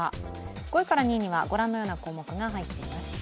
５位から２位はご覧のような項目が入っています。